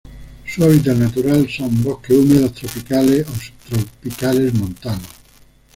Su hábitat natural son bosques húmedos tropicales o subtropicales montanos.